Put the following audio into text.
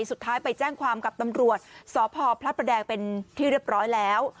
สุดท้ายไปแจ้งความกับตำรวจสพพระประแดงเป็นที่เรียบร้อยแล้ว